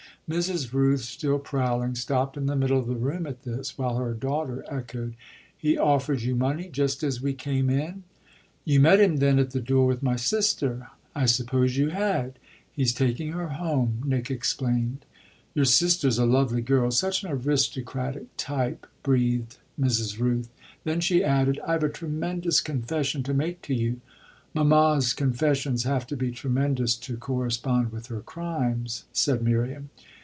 Mrs. Rooth, still prowling, stopped in the middle of the room at this, while her daughter echoed: "He offered you money just as we came in?" "You met him then at the door with my sister? I supposed you had he's taking her home," Nick explained. "Your sister's a lovely girl such an aristocratic type!" breathed Mrs. Rooth. Then she added: "I've a tremendous confession to make to you." "Mamma's confessions have to be tremendous to correspond with her crimes," said Miriam.